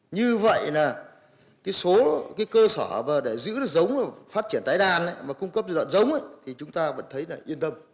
như vậy là cái cơ sở để giữ giống phát triển tái đàn mà cung cấp lợn giống thì chúng ta vẫn thấy yên tâm